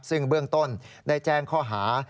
ซึ่งเบื้องต้นได้แจ้งข้อหา